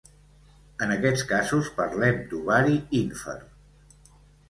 En aquests casos parlem d'ovari ínfer.